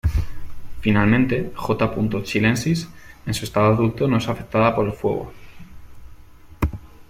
Finalmente, "J. chilensis" en su estado adulto no es afectada por el fuego.